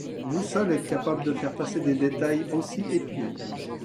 Vous seule êtes capable de faire passer des détails aussi épineux.